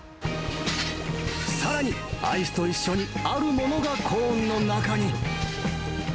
さらに、アイスと一緒に、あるものがコーンの中に。